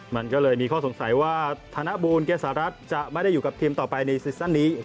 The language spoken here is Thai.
มันก็เลยมีข้อสงสัยว่าธนบูลเกษารัฐจะไม่ได้อยู่กับทีมต่อไปในซีซั่นนี้